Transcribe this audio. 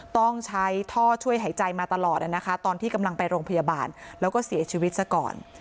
ต้องใช้ท่อช่วยหายใจมาตลอดนะคะตอนที่กำลังไปโรงพยาบาลแล้วก็เสียชีวิตซะก่อน